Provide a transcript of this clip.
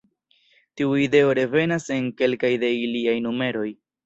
Tiu ideo revenas en kelkaj de iliaj numeroj.